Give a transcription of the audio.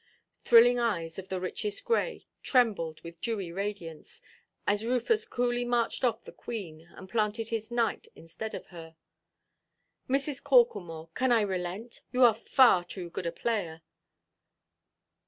Thrilling eyes of the richest grey trembled with dewy radiance, as Rufus coolly marched off the queen, and planted his knight instead of her. "Mrs. Corklemore, can I relent? You are far too good a player."